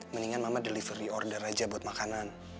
mendingan mama delivery order aja buat makanan